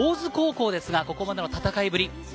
大津高校ですが、ここまでの戦いぶり。